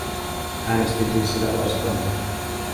Äänestin siis sitä vastaan.